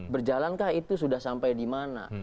berjalankah itu sudah sampai di mana